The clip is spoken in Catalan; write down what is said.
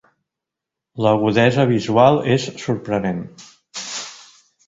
L'agudesa visual és sorprenent.